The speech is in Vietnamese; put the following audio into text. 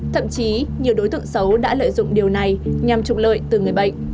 thậm chí nhiều đối tượng xấu đã lợi dụng điều này nhằm trục lợi từ người bệnh